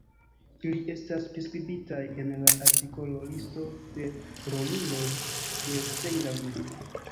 Ili estas priskribitaj en la artikolo Listo de roluloj de "Sejla Mun".